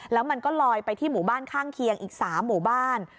แล้วมันก็ลอยไปที่หมู่บ้านข้างเคียงอีก๓หมู่บ้าน